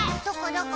どこ？